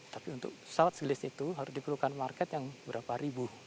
tapi untuk pesawat selis itu harus diperlukan market yang berapa ribu